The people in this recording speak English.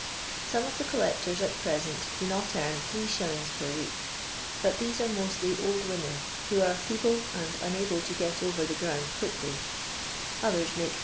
Some of the collectors at present do not earn 3«. per week, but these are mostly old women who are feeble and unable to get over the ground quickly ; others make bs.